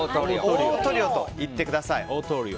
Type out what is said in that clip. オートリオと言ってください。